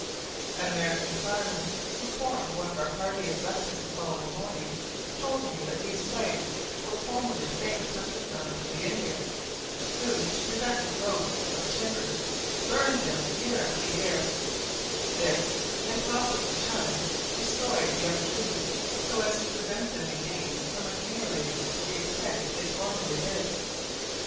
An American farmer, who formed one of our party at breakfast the following morning, told me that these plains were formerly famous hunting grounds of the Indians, who, to prevent the growth of the timbers, burned them year after year; this, in process of time, destroyed the young trees, so as to prevent them again from accumulating to the extent they formerly did.